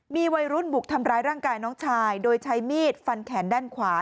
มีวัยรุ่นบุกทำร้ายร่างกายน้องชายโดยใช้มีดฟันแขนด้านขวา